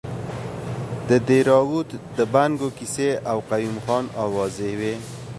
د دیراوت د بنګو کیسې او قیوم خان اوازې وې.